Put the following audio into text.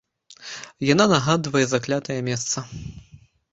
Яна нагадвае заклятае месца.